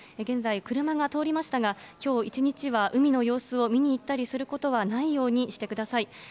現在、車が通りましたが、きょう一日は海の様子を見に行ったりすることはないようにしてください。